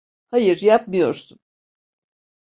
Hayır, yapmıyorsun.